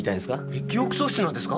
え記憶喪失なんですか？